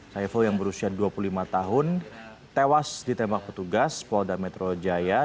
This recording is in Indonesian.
saiful yang berusia dua puluh lima tahun tewas ditembak petugas polda metro jaya